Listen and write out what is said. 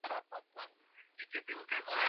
Anys lleva en Twitch varios años.